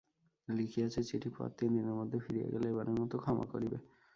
লিখিয়াছে চিঠি পাওয়ার তিনদিনের মধ্যে ফিরিয়া গেলে এবারের মতো ক্ষমা করিবে।